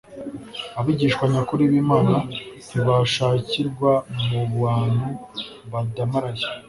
Abigishwa nyakuri b'Imana, ntibashakirwa mu bantu badamaraye,